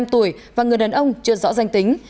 một mươi năm tuổi và người đàn ông chưa rõ danh tính